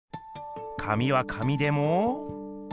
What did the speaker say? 紙は紙でも。